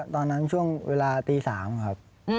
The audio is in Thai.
ตอนนั้นช่วงเวลาตี๓ครับ